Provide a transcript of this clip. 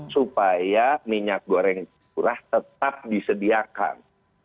supaya minyak goreng curah tetap disediakan